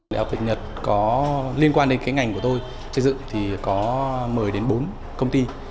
đại học việt nhật có liên quan đến cái ngành của tôi xây dựng thì có một mươi đến bốn công ty